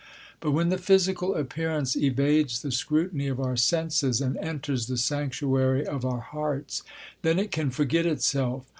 But when the physical appearance evades the scrutiny of our senses and enters the sanctuary of our hearts, then it can forget itself.